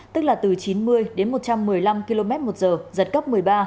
tức là từ chín mươi đến một trăm một mươi năm km một giờ giật cấp một mươi ba